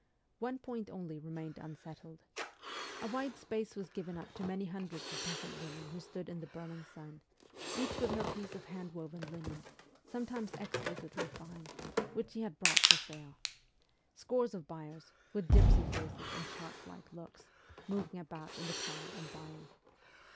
One point only remained unsettled. A wide space was given up to many hundreds of peasant women who stood in the burning sun, each with her piece of hand woven linen, sometimes exquisitely fine, which she had brought for sale scores of buyers, with gypsy faces and shark like looks, moving about in the crowd and buying.